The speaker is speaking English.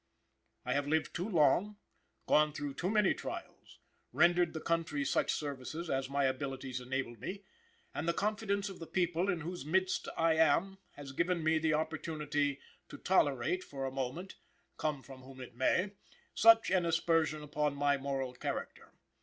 "I have lived too long, gone through too many trials, rendered the country such services as my abilities enabled me, and the confidence of the people in whose midst I am has given me the opportunity, to tolerate for a moment come from whom it may such an aspersion upon my moral character.